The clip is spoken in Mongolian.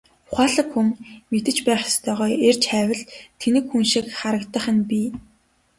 Ухаалаг хүн мэдэж байх ёстойгоо эрж хайвал тэнэг хүн шиг харагдах нь бий.